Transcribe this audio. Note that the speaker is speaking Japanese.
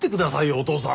お父さん。